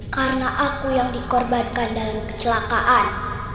karena aku yang dikorbankan dalam kecelakaan